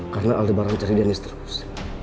karena aldebaran cari denise terus